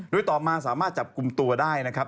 โดยต่อมาสามารถจับกลุ่มตัวได้นะครับ